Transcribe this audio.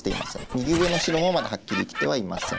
右上の白もまだはっきり生きてはいません。